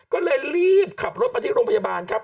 ก็เลยรีบขับรถมาที่โรงพยาบาลครับ